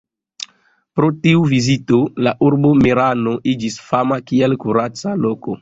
Pro tiu vizito la urbo Merano iĝis fama kiel kuraca loko.